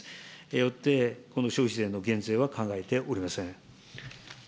よって、この消費税の減税は考えておりません。